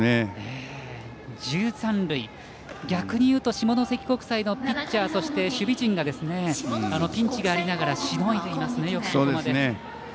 逆に言うと下関国際のピッチャーそして守備陣がピンチがありながらしのいでいますね、よくここまで。